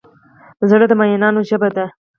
زړه د مینانو ژبه ده.